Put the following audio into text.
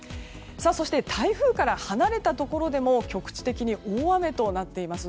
台風から離れたところでも局地的に大雨となっています。